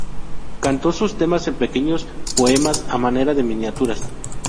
Cantó sus temas en pequeños poemas a manera de miniaturas.